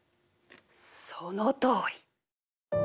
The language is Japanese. そのとおり。